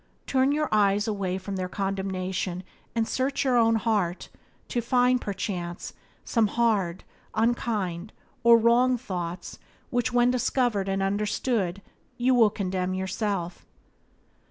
Turn your eyes away from their condemnation and search your own heart, to find, perchance, some hard, unkind, or wrong thoughts which, when discovered and understood, you will condemn yourself.